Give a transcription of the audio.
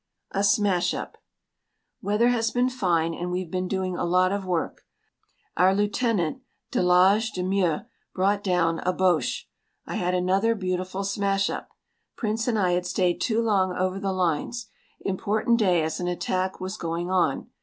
A SMASH UP Weather has been fine and we've been doing a lot of work. Our Lieutenant de Laage de Mieux, brought down a Boche. I had another beautiful smash up. Prince and I had stayed too long over the lines. Important day as an attack was going on.